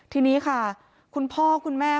ทีนี้ค่ะคุณพ่อคุณแม่